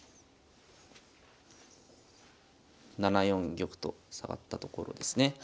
７四玉と下がったところですね。